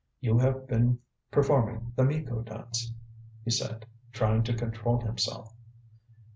"You have been performing the Miko dance," he said, trying to control himself.